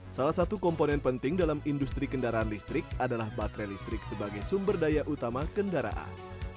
salah satu komponen penting dalam industri kendaraan listrik adalah baterai listrik sebagai sumber daya utama kendaraan